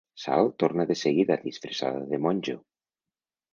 Sal torna de seguida, disfressada de monjo.